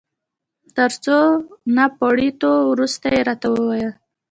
تر څو نا پړيتو وروسته يې راته وویل.